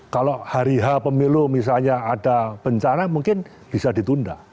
kalau hari h pemilu misalnya ada bencana mungkin bisa ditunda